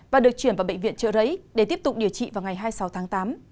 và được chuyển vào bệnh viện trợ rẫy để tiếp tục điều trị vào ngày hai mươi sáu tháng tám